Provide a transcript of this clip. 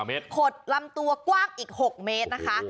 เมตรขดลำตัวกว้างอีก๖เมตรนะคะ